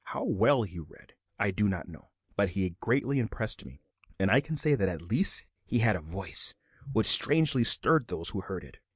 How well he read I do not know, but he greatly impressed me; and I can say that at least he had a voice which strangely stirred those who heard it.